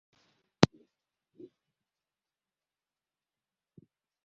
licha ya kukataa kujiuzulu lakini ameweka bayana